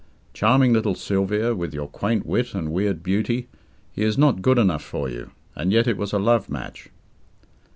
Charming little Sylvia, with your quaint wit and weird beauty, he is not good enough for you and yet it was a love match.